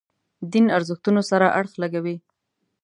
دین ارزښتونو سره اړخ لګوي.